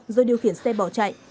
rồi điều khiển xe bỏ chạy